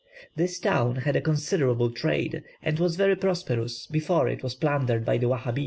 This town had a considerable trade, and was very prosperous before it was plundered by the Wahabees.